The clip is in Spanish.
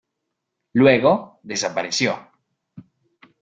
Luego desapareció.